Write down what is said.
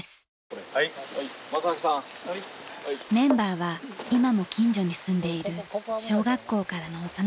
メンバーは今も近所に住んでいる小学校からの幼なじみ４人組。